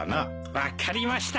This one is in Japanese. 分かりました。